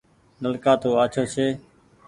نلڪآ تو آڇو ڇي ۔